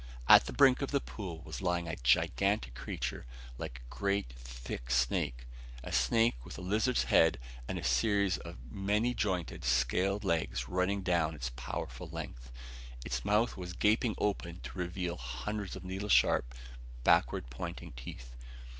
At the brink of the pool was lying a gigantic creature like a great, thick snake a snake with a lizard's head, and a series of many jointed, scaled legs running down its powerful length. Its mouth was gaping open to reveal hundreds of needle sharp, backward pointing teeth.